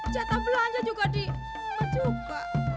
jatah belanja juga di rumah juga